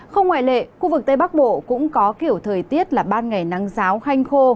không ngoại lệ khu vực tây bắc bộ cũng có kiểu thời tiết là ban ngày nắng giáo hanh khô